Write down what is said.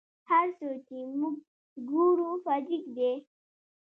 هر څه چې موږ ګورو فزیک دی.